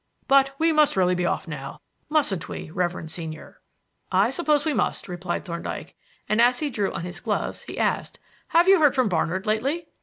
But we must really be off now, mustn't we, reverend senior?" "I suppose we must," replied Thorndyke; and, as he drew on his gloves, he asked: "Have you heard from Barnard lately?"